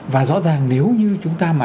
và rõ ràng nếu như chúng ta mà